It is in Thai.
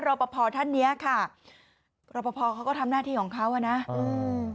รอปภท่านเนี้ยค่ะรอปภเขาก็ทำหน้าที่ของเขาอ่ะนะอืม